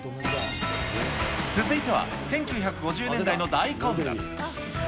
続いては１９５０年代の大混雑。